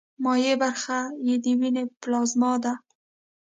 مایع برخه یې د ویني پلازما ده.